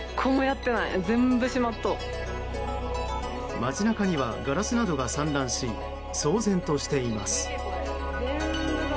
街中にはガラスなどが散乱し騒然としています。